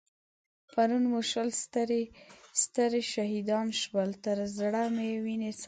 پرون مو شل سترې شهيدان شول؛ تر زړه مې وينې څاڅي.